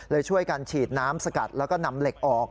ช่วยกันฉีดน้ำสกัดแล้วก็นำเหล็กออก